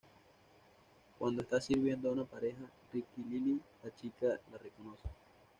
Cuando está sirviendo a una pareja, Rickie y Lily, la chica le reconoce.